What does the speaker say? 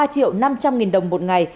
ba triệu năm trăm linh nghìn đồng một ngày